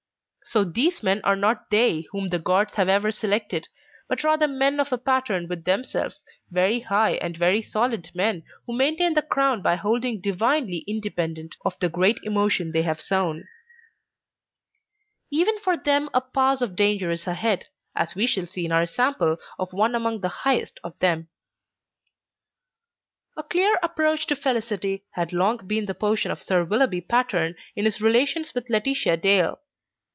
So these men are not they whom the Gods have ever selected, but rather men of a pattern with themselves, very high and very solid men, who maintain the crown by holding divinely independent of the great emotion they have sown. Even for them a pass of danger is ahead, as we shall see in our sample of one among the highest of them. A clear approach to felicity had long been the portion of Sir Willoughby Patterne in his relations with Laetitia Dale.